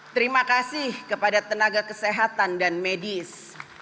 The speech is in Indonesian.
terima kasih kepada tenaga kesehatan dan medis